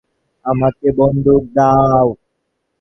আমাকে বন্দুক দাও।